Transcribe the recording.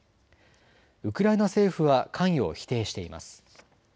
ウクライナ政府は関与を否定しています。